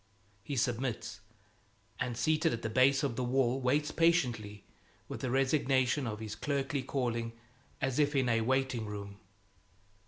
He submits, and seated at the base of the wall waits patiently, with the resignation of his clerkly calling, as if in a waiting room.